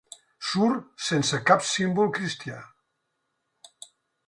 Surt sense cap símbol cristià.